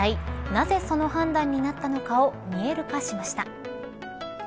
なぜその判断になったのかを見える化しました。